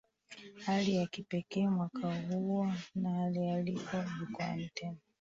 Hali ya kipekee mwaka huo na alialikwa jukwaani tena